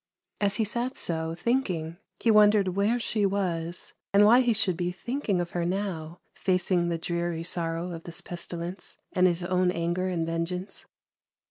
As he sat so, thinking, he wondered where she was, and why he should be thinking of her now, facing the dreary sorrow of this pestilence and his own anger and ven geance.